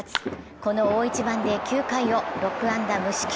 この大一番で９回を６安打無四球。